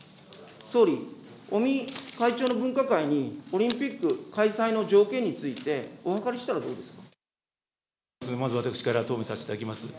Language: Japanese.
総理、尾身会長の分科会に、オリンピック開催の条件について、まず私から答弁させていただきます。